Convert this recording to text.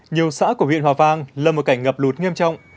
nhiều xã của huyện hòa vang là một cảnh ngập lụt nghiêm trọng